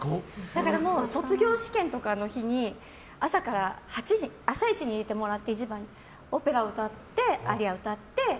だから、卒業試験の日とかに朝一に入れてもらってオペラを歌って「アリア」を歌って。